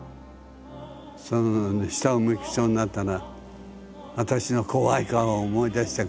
そのね下を向きそうになったらあたしの怖い顔を思い出して下さい。